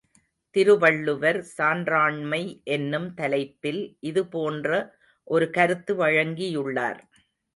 திருவள்ளுவர் சான்றாண்மை என்னும் தலைப்பில் இது போன்ற ஒரு கருத்து வழங்கியுள்ளார்.